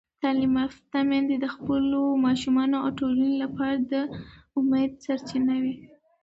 تعلیم یافته میندې د خپلو ماشومانو او ټولنې لپاره د امید سرچینه وي.